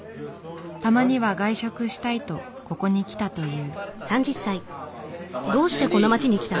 たまには外食したいとここに来たという。